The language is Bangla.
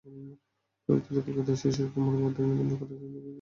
পরবর্তীতে কলকাতায় শিশির কুমার ভাদুড়ীর অভিনয় দেখে অভিনয়ের প্রতি ব্যাপক আগ্রহ বাড়ে।